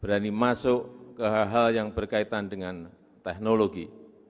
berani masuk ke hal hal yang berkaitan dengan teknologi